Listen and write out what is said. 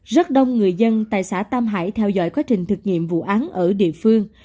rất đông người dân tại xã tam hải theo dõi quá trình thực nghiệm vụ án ở địa phương